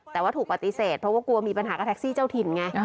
แต่ว่าถูกปฏิเสธเพราะว่ากลัวมีปัญหากับแท็กซี่เจ้าถิ่นไง